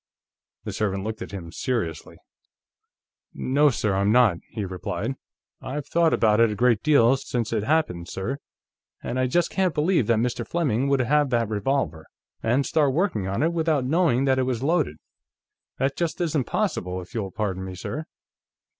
The servant looked at him seriously. "No, sir; I'm not," he replied. "I've thought about it a great deal, since it happened, sir, and I just can't believe that Mr. Fleming would have that revolver, and start working on it, without knowing that it was loaded. That just isn't possible, if you'll pardon me, sir.